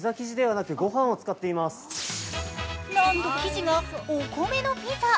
なんと生地がお米のピザ。